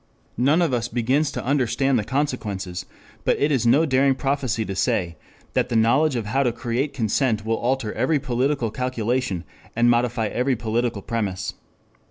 None of us begins to understand the consequences, but it is no daring prophecy to say that the knowledge of how to create consent will alter every political calculation and modify every political premise.